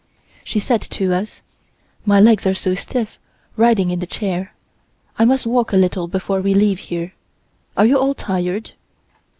She said to us: "My legs are so stiff, riding in the chair. I must walk a little before we leave here. Are you all tired?"